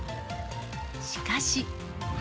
しかし。